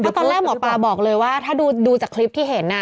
เพราะตอนแรกหมอปลาบอกเลยว่าถ้าดูจากคลิปที่เห็น